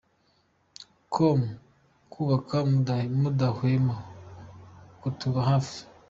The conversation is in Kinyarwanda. com ku kuba mudahwema kutuba hafi.